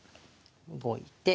動いて。